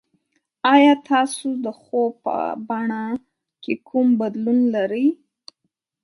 ایا تاسو د خوب په بڼه کې کوم بدلون لرئ؟